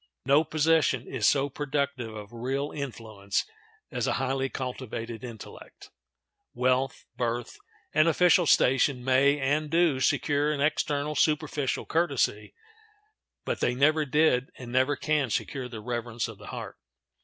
No possession is so productive of real influence as a highly cultivated intellect. Wealth, birth, and official station may and do secure an external, superficial courtesy, but they never did and never can secure the reverence of the heart.